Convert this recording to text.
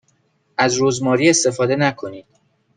از رزماری استفاده نکنید.